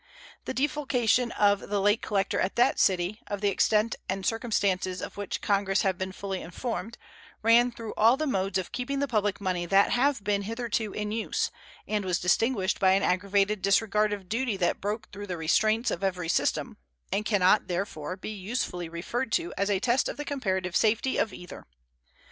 The defalcation of the late collector at that city, of the extent and circumstances of which Congress have been fully informed, ran through all the modes of keeping the public money that have been hitherto in use, and was distinguished by an aggravated disregard of duty that broke through the restraints of every system, and can not, therefore, be usefully referred to as a test of the comparative safety of either.